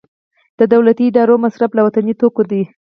د دولتي ادارو مصرف له وطني توکو دی